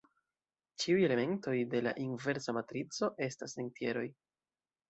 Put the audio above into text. Ĉiuj elementoj de la inversa matrico estas entjeroj.